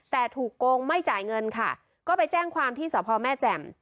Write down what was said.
แต่ถูกโกงไม่จ่ายเงินค่ะก็ไปแจ้งความที่สพแม่แจ่ม